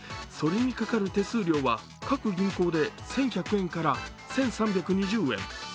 それにかかる手数料は各銀行で１１００円から１３２０円。